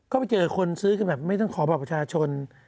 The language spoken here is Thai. ก็ไปเจอคนซื้อกันแบบไม่ต้องขอบัตรประชาชน